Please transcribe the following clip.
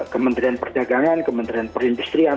kementerian perdagangan kementerian perindustrian